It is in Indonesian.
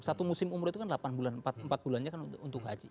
satu musim umroh itu kan delapan bulan empat bulannya kan untuk haji